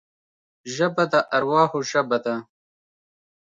ژبه د ارواحو ژبه ده